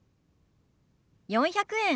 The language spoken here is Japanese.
４００円。